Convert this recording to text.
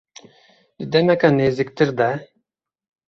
Di demeke nêzîktir de.